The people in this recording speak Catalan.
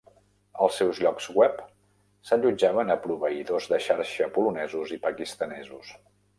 Els seus llocs web s'allotjaven a proveïdors de xarxa polonesos i pakistanesos.